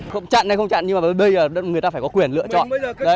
không chặn hay không chặn nhưng mà bây giờ người ta phải có quyền lựa chọn